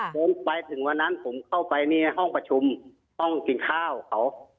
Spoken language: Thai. ผมไปถึงวันนั้นผมเข้าไปในห้องประชุมห้องกินข้าวเขา